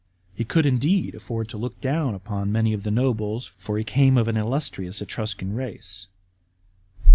He could indeed afford to look down upon many of the nobles ; for he came of an illustrious Etruscan race.